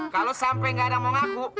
kalo sampe gak ada yang mau ngaku